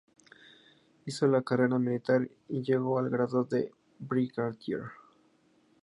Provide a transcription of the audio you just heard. Hizo la carrera militar y llegó al grado de brigadier.